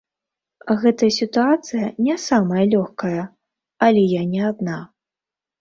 Гэтая сітуацыя не самая лёгкая, але я не адна.